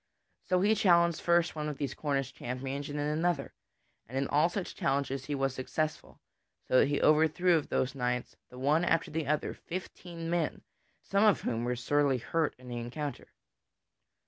So he challenged first one of those Cornish champions and then another, and in all such challenges he was successful, so that he overthrew of those knights, the one after the other, fifteen men, some of whom were sorely hurt in the encounter.